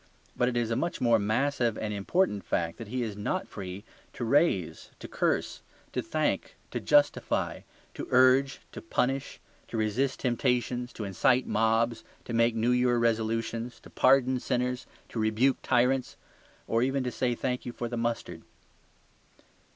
But it is a much more massive and important fact that he is not free to raise, to curse, to thank, to justify, to urge, to punish, to resist temptations, to incite mobs, to make New Year resolutions, to pardon sinners, to rebuke tyrants, or even to say "thank you" for the mustard.